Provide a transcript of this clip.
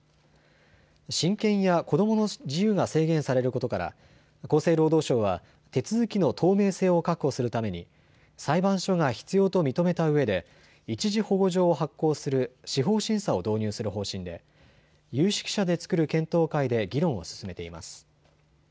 親権や子どもの自由が制限されることから厚生労働省は手続きの透明性を確保するために裁判所が必要と認めたうえで一時保護状を発行する司法審査を導入する方針で有識者で作る検討会で議論を進めています。